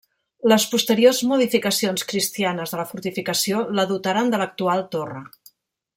Les posteriors modificacions cristianes de la fortificació la dotaren de l'actual torre.